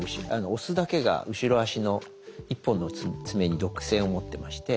オスだけが後ろ足の１本の爪に毒性を持ってまして。